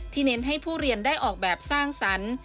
เน้นให้ผู้เรียนได้ออกแบบสร้างสรรค์